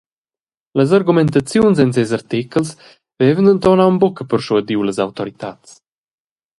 Las argumentaziuns en ses artechels vevan denton aunc buca perschuadiu las autoritads.